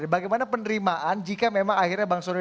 bagaimana penerimaan jika memang akhirnya bang surya